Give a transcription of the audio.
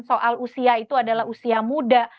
soal usia itu adalah usia muda